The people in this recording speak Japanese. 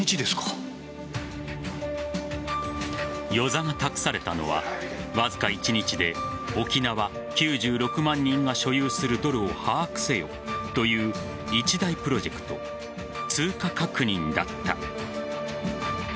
與座が託されたのはわずか１日で沖縄９６万人が所有するドルを把握せよという一大プロジェクト通貨確認だった。